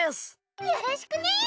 よろしくね！